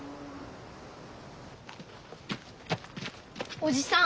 おじさん。